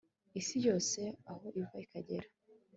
isi yose, aho iva ikagera